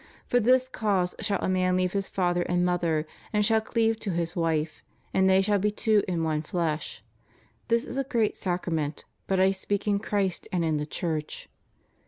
For this cause shall a man leave His father and mother, and shall cleave to his wife, and they shall be two in one flesh. This is a great sacrament; but I speak in Christ and in the Church.